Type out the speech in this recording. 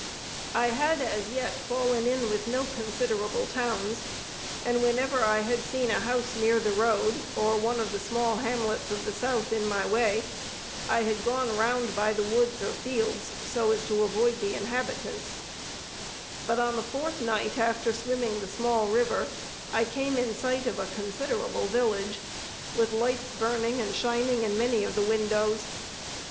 I had as yet fallen in with no considerable towns, and whenever I had seen a house near the road, or one of the small hamlets of the South in my way, I had gone round by the woods or fields, so as to avoid the inhabitants; but on the fourth night after swimming the small river, I came in sight of a considerable village, with lights burning and shining through many of the windows.